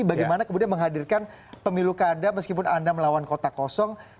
bagaimana kemudian menghadirkan pemilu kada meskipun anda melawan kota kosong